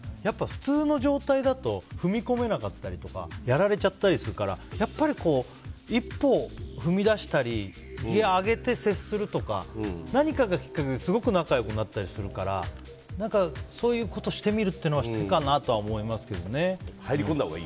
普通の状態だと踏み込めなかったりとかやられちゃったりするからやっぱり一歩踏み出したりギア上げて接するとか何かがきっかけですごく仲良くなったりするからそういうことしてみるってのは１つあるなと思いますけどね。